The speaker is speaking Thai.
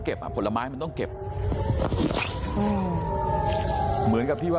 พวกมันกลับมาเมื่อเวลาที่สุดพวกมันกลับมาเมื่อเวลาที่สุด